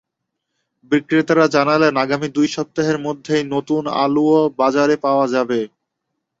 বিক্রেতারা জানালেন, আগামী দুই সপ্তাহের মধ্যেই নতুন আলুও বাজারে পাওয়া যাবে।